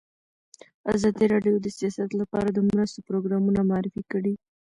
ازادي راډیو د سیاست لپاره د مرستو پروګرامونه معرفي کړي.